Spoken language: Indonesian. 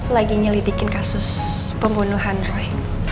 lagi nyelidikin kasus pembunuhan roy